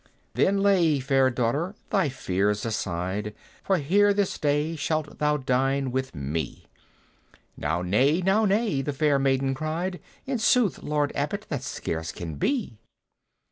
"Then lay, fair daughter, thy fears aside, For here this day shalt thou dine with me!" "Now naye, now naye," the fair maiden cried; "In sooth, Lord Abbot, that scarce may be!